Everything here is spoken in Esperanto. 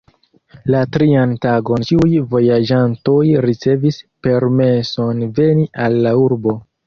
La trian tagon ĉiuj vojaĝantoj ricevis permeson veni al la urbo.